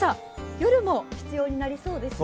夜も必要になりそうですね。